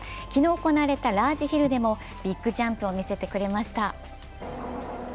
昨日行われたラージヒルでもビッグジャンプを見せてくれました。